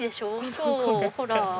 そうほら。